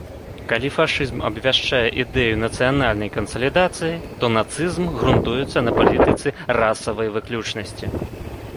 Калі фашызм абвяшчае ідэю нацыянальнай кансалідацыі, то нацызм грунтуецца на палітыцы расавай выключнасці.